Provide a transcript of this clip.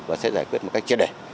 và sẽ giải quyết một cách triển đề